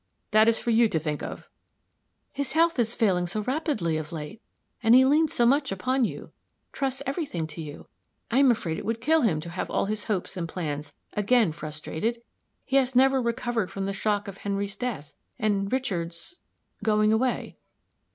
"That is for you to think of." "His health is failing so rapidly of late; and he leans so much upon you trusts every thing to you. I am afraid it would kill him to have all his hopes and plans again frustrated. He has never recovered from the shock of Henry's death, and Richard's going away."